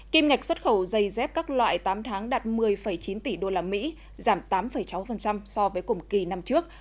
kim ngạch xuất khẩu dây dép các loại tám tháng đạt một mươi chín tỷ usd giảm tám sáu so với cùng kỳ năm trước